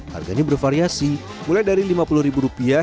harganya bervariasi mulai dari rp lima puluh hingga ratusan ribu rupiah